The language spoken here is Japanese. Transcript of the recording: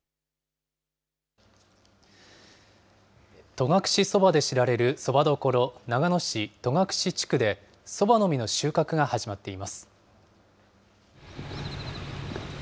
戸隠そばで知られるそばどころ、長野市戸隠地区で、そばの実の収穫が始まっています。